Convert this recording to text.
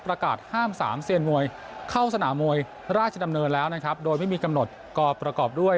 ประกาศห้ามสามเซียนมวยเข้าสนามมวยราชดำเนินแล้วนะครับโดยไม่มีกำหนดก็ประกอบด้วย